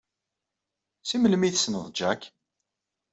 Seg melmi ay tessneḍ Jack?